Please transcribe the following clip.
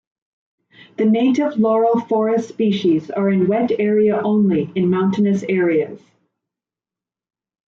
The native laurel forest species are in wet area only in mountainous areas.